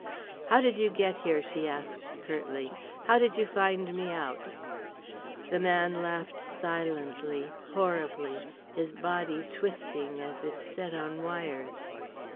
"How did you get here?" she asked curtly. "How did you find me out?" The man laughed silently, horribly, his body twisting as if set on wires.